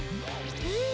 へえ！